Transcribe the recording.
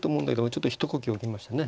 ちょっと一呼吸置きましたね。